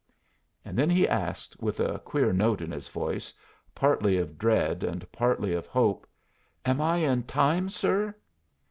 And then he asked, with a queer note in his voice, partly of dread and partly of hope, "Am I in time, sir?"